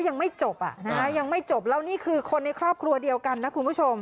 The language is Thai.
ยังไม่จบอ่ะนะฮะยังไม่จบแล้วนี่คือคนในครอบครัวเดียวกันนะคุณผู้ชม